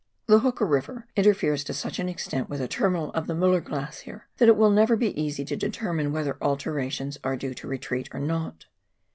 The Hooker River interferes to such an extent with the terminal of the ^Mueller Glacier that it will never be easy to determine whether alterations are due to retreat or not.